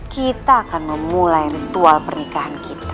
kita akan memulai ritual pernikahan kita